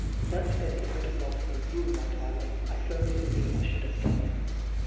But that it would have lost me you, my dar ling, I firmly believe I should have done it.'